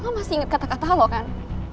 lo masih ingat kata kata lo kan